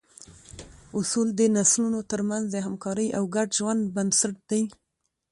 اصول د نسلونو تر منځ د همکارۍ او ګډ ژوند بنسټ دي.